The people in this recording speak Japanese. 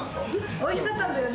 おいしかったんだよね。